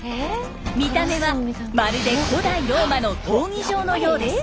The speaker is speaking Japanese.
見た目はまるで古代ローマの闘技場のようです。